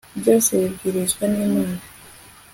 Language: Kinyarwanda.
byose bibwirizwa n'imana